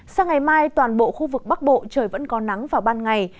sang ngày mai toàn bộ khu vực bắc bộ trời vẫn có nắng vào ban ngày